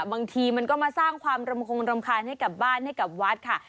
บางทีมันก็มาสร้างความรำคงรำคาญให้กับบ้านให้กับวัดค่ะ